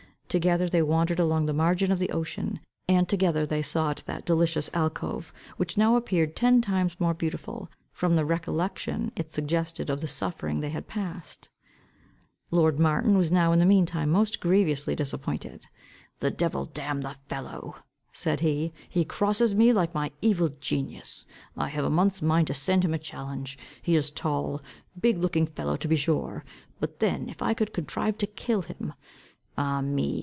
Together they wandered along the margin of the ocean, and together they sought that delicious alcove, which now appeared ten times more beautiful, from the recollection it suggested of the sufferings they had passed. Lord Martin was in the mean time most grievously disappointed. "The devil damn the fellow!" said he, "he crosses me like my evil genius. I have a month's mind to send him a challenge. He is a tall, big looking fellow to be sure. But then if I could contrive to kill him. Ah, me!